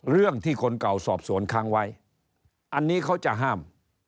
เรื่องที่คนเก่าสอบสวนค้างไว้อันนี้เขาจะห้าม